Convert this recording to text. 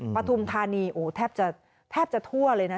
ปฐุมธานีโอ้โหแทบจะแทบจะทั่วเลยนะ